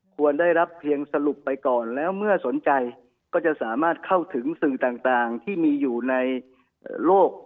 ควรได้รับเพียงสรุปไปก่อนแล้วเมื่อสนใจก็จะสามารถเข้าถึงสื่อต่างที่มีอยู่ในโลก